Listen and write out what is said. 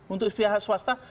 untuk pihak swasta